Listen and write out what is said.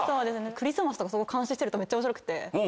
クリスマスとか監視してるとめっちゃ面白くて。